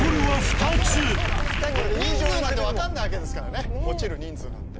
人数なんて分からないわけですからね、落ちる人数なんて。